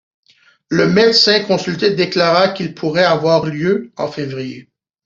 Le médecin consulté déclara qu’il pourrait avoir lieu en février.